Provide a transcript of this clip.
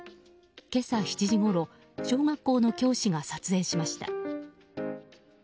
今朝７時ごろ小学校の教師が撮影しました。